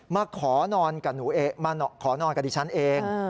มาขอนอนกับหนูเองมาขอนอนกับดิฉันเอง